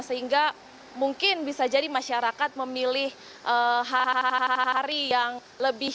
sehingga mungkin bisa jadi masyarakat memilih hahaha hari yang lebih